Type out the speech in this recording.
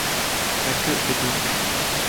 La queue est blanche.